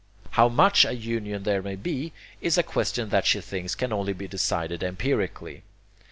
How much of union there may be is a question that she thinks can only be decided empirically.